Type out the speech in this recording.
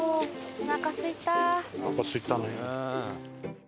おなかすいたね。